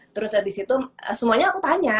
terus habis itu semuanya aku tanya